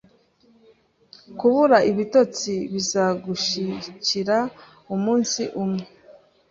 Kubura ibitotsi bizagushikira umunsi umwe.